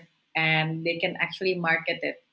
dan mereka bisa membeli belahnya